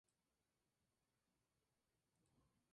Olympique de Marsella